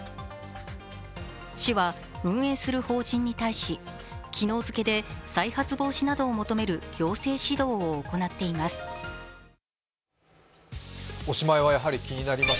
市は、運営する法人に対し昨日付で再発防止などを求める行政指導を行っています。